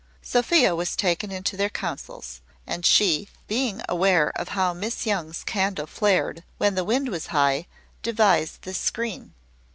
Sophia was taken into their counsels; and she, being aware of how Miss Young's candle flared when the wind was high, devised this screen.